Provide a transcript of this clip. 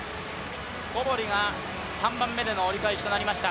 小堀が３番目での折り返しとなりました。